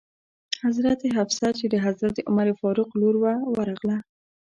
حضرت حفصه چې د حضرت عمر فاروق لور وه ورغله.